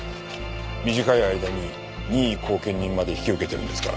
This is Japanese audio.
短い間に任意後見人まで引き受けてるんですから。